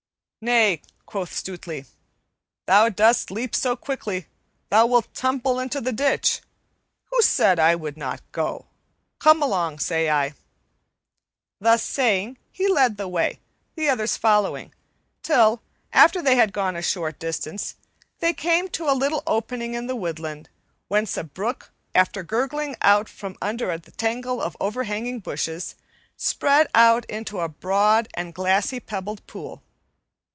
"Nay," quoth Stutely, "thou dost leap so quickly, thou'lt tumble into the ditch. Who said I would not go? Come along, say I." Thus saying, he led the way, the others following, till, after they had gone a short distance, they came to a little opening in the woodland, whence a brook, after gurgling out from under the tangle of overhanging bushes, spread out into a broad and glassy pebbled pool.